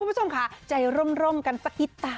คุณผู้ชมค่ะใจร่มกันสักกิดตา